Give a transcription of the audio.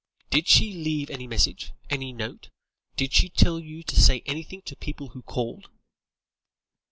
Did she leave any message? Any note? Did she tell you to say anything to people who called?"